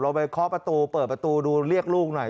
ไปเคาะประตูเปิดประตูดูเรียกลูกหน่อย